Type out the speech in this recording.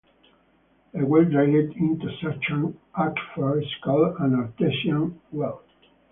A well drilled into such an aquifer is called an "artesian well".